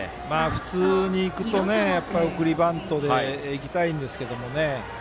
普通なら送りバントで行きたいんですけどね。